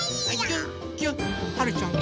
はるちゃん。